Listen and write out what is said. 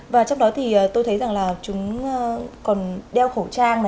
và trong đó thì tôi thấy rằng là chúng còn đeo khẩu trang